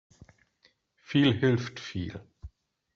Viel hilft viel.